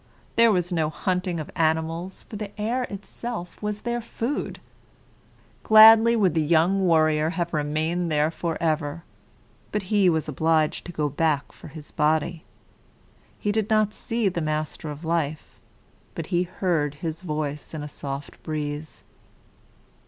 There was no hunting of animals; for the air itself was their food. Gladly would the young warrior have remained there forever, but he was obliged to go back for his body. He did not see the Master of Life, but he heard his voice in a soft breeze.